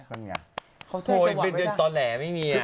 โอ้ยเป็นต่อแหล่ไม่มีอะ